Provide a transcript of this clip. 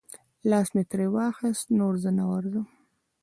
لاس مې ترې واخیست، نور نه ورځم.